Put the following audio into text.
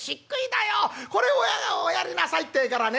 これを『おやりなさい』ってえからね